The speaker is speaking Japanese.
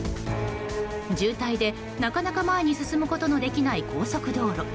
渋滞で、なかなか前に進むことのできない高速道路。